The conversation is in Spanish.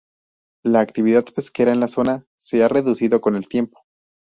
La actividad pesquera en la zona se ha reducido con el tiempo.